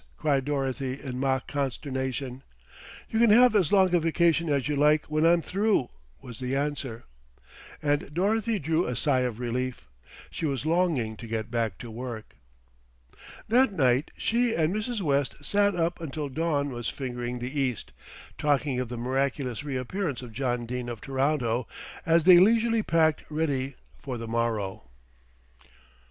cried Dorothy in mock consternation. "You can have as long a vacation as you like when I'm through," was the answer, and Dorothy drew a sigh of relief. She was longing to get back to work. That night she and Mrs. West sat up until dawn was fingering the east, talking of the miraculous reappearance of John Dene of Toronto, as they leisurely packed ready for the morrow.